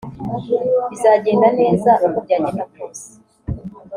bizagenda neza uko byagenda kose